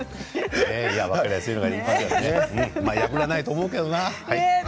破らないと思うけどな。